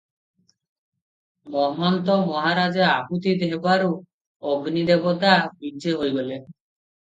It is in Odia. ମହନ୍ତ ମହାରାଜ ଆହୁତି ଦେବାରୁ ଅଗ୍ନି ଦେବତା ବିଜେ ହୋଇଗଲେ ।